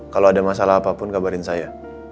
kalau ada masalah apapun kabarin saya